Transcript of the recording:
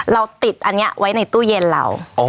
เราติดอันนี้ไว้ในตู้เย็นเรา